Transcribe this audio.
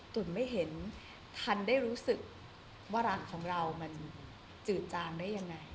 ตุ๋นไม่เห็นทันได้รู้สึกว่ารักของเรามันจืดจางได้ยังไง